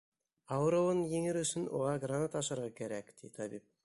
— Ауырыуын еңер өсөн уға гранат ашарға кәрәк, — ти табип.